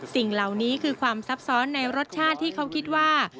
สิ่งเหล่านี้คือความซับซ้อนในรสชาติที่เขาคิดว่า